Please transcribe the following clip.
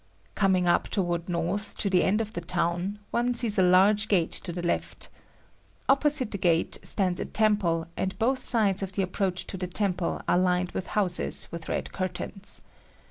Coming up toward north, to the end of the town, one sees a large gate to the left. Opposite the gate stands a temple and both sides of the approach to the temple are lined with houses with red curtains.